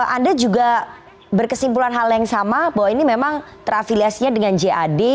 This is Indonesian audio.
anda juga berkesimpulan hal yang sama bahwa ini memang terafiliasinya dengan jad